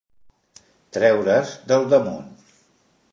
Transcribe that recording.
Treure's del damunt.